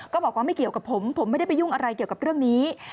ก็บอกว่าไม่เกี่ยวกับผมผมไม่ได้ไปยุ่งอะไรเกี่ยวกับเรื่องนี้